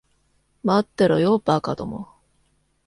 待ってろよ、馬鹿ども。